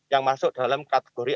yang masuk dalam kategori